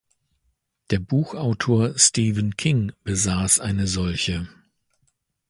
Der Buchautor Stephen King besaß eine solche.